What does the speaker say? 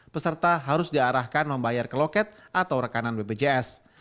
peserta harus diarahkan membayar ke loket atau rekanan bpjs